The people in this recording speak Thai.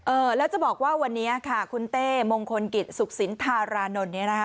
เออแล้วจะบอกว่าวันนี้ค่ะคุณเต้มงคลกิจสุขสินธารานนท์เนี่ยนะคะ